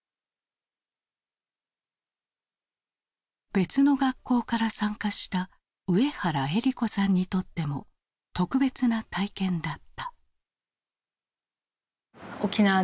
別の学校から参加した上原えり子さんにとっても特別な体験だった。